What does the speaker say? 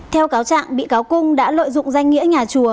theo cáo trạng bị cáo cung đã lợi dụng danh nghĩa nhà chùa